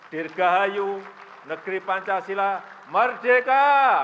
dirgahayu negeri pancasila merdeka